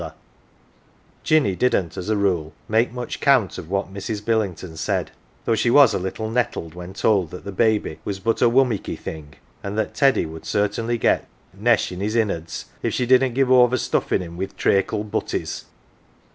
11 Jinny didn't, as a rule, make " much count " of what Mrs. Billington said, though she was a little nettled when told that the baby was but a wummicky thing, and that Teddy would certainly get " nesh in his in'krds if she didn't give over stuffing him with traycle butties.